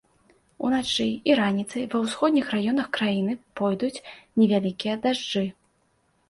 Уначы і раніцай ва ўсходніх раёнах краіны пойдуць невялікія дажджы.